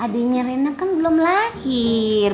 adiknya rena kan belum lahir